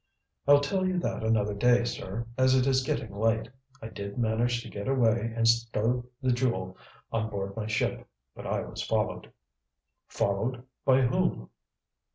"I'll tell you that another day, sir, as it is getting late. I did manage to get away and stow the Jewel on board my ship; but I was followed." "Followed? By whom?"